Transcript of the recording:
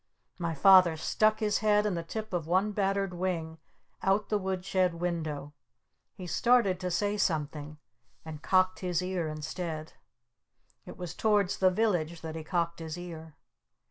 My Father stuck his head and the tip of one battered wing out the wood shed window. He started to say something. And cocked his ear instead. It was towards the village that he cocked his ear.